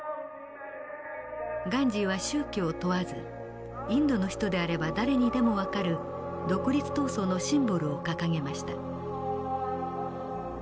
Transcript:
ガンジーは宗教を問わずインドの人であれば誰にでも分かる独立闘争のシンボルを掲げました。